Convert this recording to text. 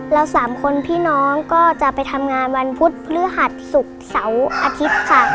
เราสามคนพี่น้องก็จะไปทำงานวันพุธพฤหัสศุกร์เสาร์อาทิตย์ค่ะ